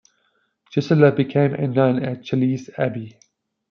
Gisela became a nun at Chelles Abbey.